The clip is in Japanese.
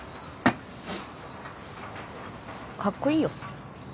カッコイイよ。